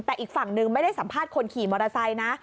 แต่อีกฝั่งหนึ่งไม่ได้สัมภาษณ์คนขี่มอเตอร์ไซค์นะ